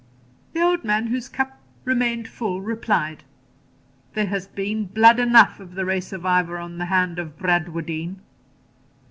The old man whose cup remained full replied, 'There has been blood enough of the race of Ivor on the hand of Bradwardine.'